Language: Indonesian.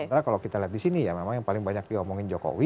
karena kalau kita lihat di sini ya memang yang paling banyak diomongin jokowi